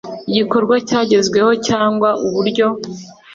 igikorwa cyagezweho cyangwa uburyo